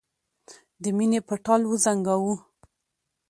د مینې په ټال وزنګاوه.